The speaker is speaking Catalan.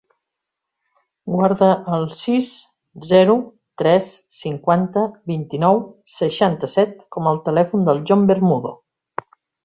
Guarda el sis, zero, tres, cinquanta, vint-i-nou, seixanta-set com a telèfon del John Bermudo.